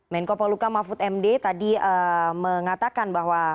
menko poluka mahfud md tadi mengatakan bahwa